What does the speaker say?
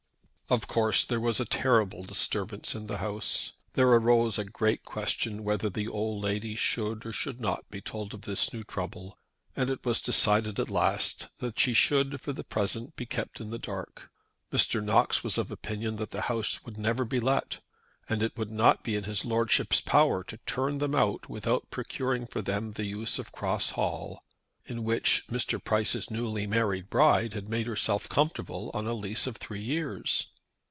Of course there was a terrible disturbance in the house. There arose a great question whether the old lady should or should not be told of this new trouble, and it was decided at last that she should for the present be kept in the dark. Mr. Knox was of opinion that the house never would be let, and that it would not be in his Lordship's power to turn them out without procuring for them the use of Cross Hall; in which Mr. Price's newly married bride had made herself comfortable on a lease of three years.